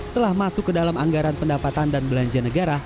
telah masuk ke dalam anggaran pendapatan dan belanja negara